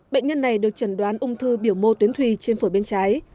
bệnh nhân này được chẩn đoán ung thư biểu mô tuyến thùy trên phổi bên trái